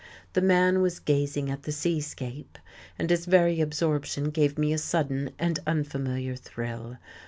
The man was gazing at the seascape, and his very absorption gave me a sudden and unfamiliar thrill.